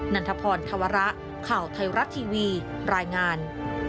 ันทพรธวระข่าวไทยรัฐทีวีรายงาน